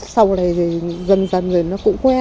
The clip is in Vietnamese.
sau này dần dần nó cũng quen đi